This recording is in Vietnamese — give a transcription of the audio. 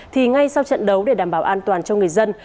thì ngay sau trận đấu để đảm bảo an toàn cho người dân